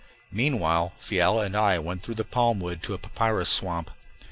Meanwhile Fiala and I went through the palm wood to a papyrus swamp.